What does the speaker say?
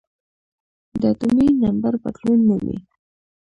د اتومي نمبر بدلون مومي .